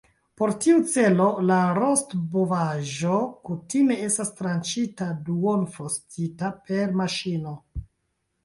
Por tiu celo la rostbovaĵo kutime estas tranĉita duonfrostita per maŝino.